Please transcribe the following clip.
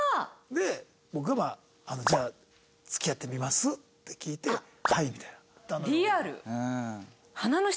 で僕がまあ「じゃあ付き合ってみます？」って聞いて「はい」みたいな。